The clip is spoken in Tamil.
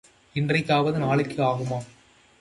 இன்றைக்கு ஆவது நாளைக்கு ஆகுமா?